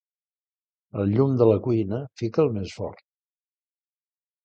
El llum de la cuina, fica'l més fort.